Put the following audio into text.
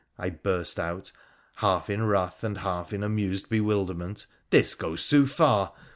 ' I burst out, half in wrath and half in amused bewilderment, ' this goes too far.